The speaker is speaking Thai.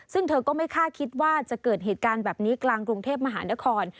ซึ่งเธอก็ไม่คาดคิดว่าจะเกิดเหตุการณ์แบบนี้กลางกรุงเทพมหานคร